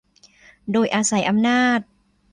โดยอาศัยอำนาจ